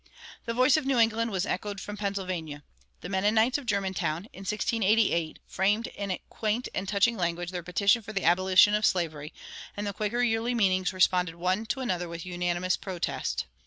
The voice of New England was echoed from Pennsylvania. The Mennonites of Germantown, in 1688, framed in quaint and touching language their petition for the abolition of slavery, and the Quaker yearly meetings responded one to another with unanimous protest.